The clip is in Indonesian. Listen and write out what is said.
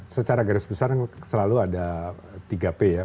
secara garis besar selalu ada tiga p ya